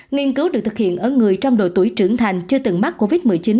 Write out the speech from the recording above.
nghiên cứu được thực hiện ở người trong độ tuổi trưởng thành chưa từng mắc covid một mươi chín